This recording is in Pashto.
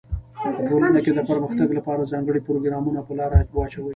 په ټولنه کي د پرمختګ لپاره ځانګړي پروګرامونه په لاره واچوی.